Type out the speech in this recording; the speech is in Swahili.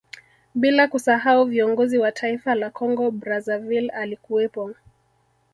Bila kusahau viongozi wa taifa la Kongo Brazzaville alikuwepo